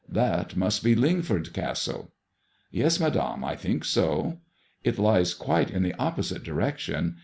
That must be Lingford Castle." "Yes, Madame ; I think so." It lies quite in the opposite direction.